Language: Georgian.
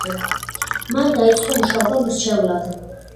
მან დაიწყო მუშაობა მრჩევლად.